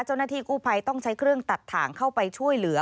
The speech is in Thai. เจ้าหน้าที่กู้ภัยต้องใช้เครื่องตัดถ่างเข้าไปช่วยเหลือ